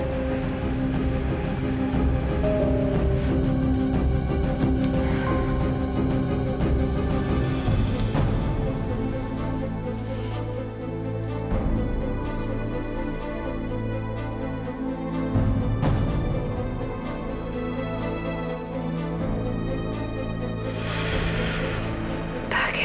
sampai jumpa lagi